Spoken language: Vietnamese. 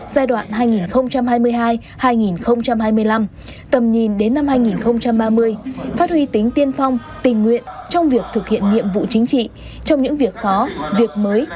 giai đoạn hai nghìn hai mươi hai hai nghìn hai mươi năm tầm nhìn đến năm hai nghìn ba mươi phát huy tính tiên phong tình nguyện trong việc thực hiện nhiệm vụ chính trị trong những việc khó việc mới